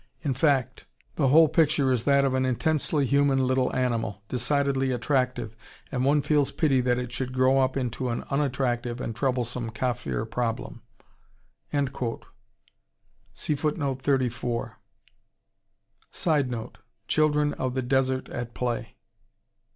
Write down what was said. In fact, the whole picture is that of an intensely human little animal, decidedly attractive, and one feels pity that it should grow up into an unattractive and troublesome Kaffir problem." [Sidenote: Children of the desert at play.